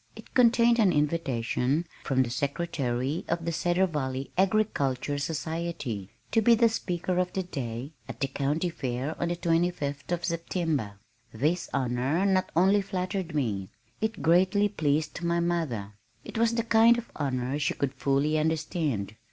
It contained an invitation from the Secretary of the Cedar Valley Agriculture Society to be "the Speaker of the Day" at the County Fair on the twenty fifth of September. This honor not only flattered me, it greatly pleased my mother. It was the kind of honor she could fully understand.